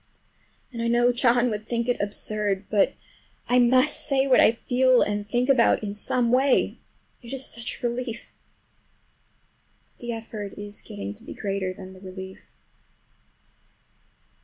And I know John would think it absurd. But I must say what I feel and think in some way—it is such a relief! But the effort is getting to be greater than the relief.